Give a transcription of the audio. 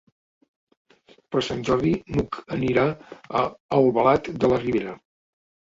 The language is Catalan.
Per Sant Jordi n'Hug anirà a Albalat de la Ribera.